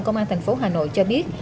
công an thành phố hà nội cho biết